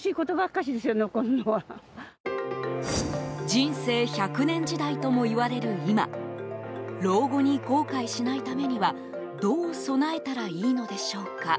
人生１００年時代ともいわれる今老後に後悔しないためにはどう備えたらいいのでしょうか。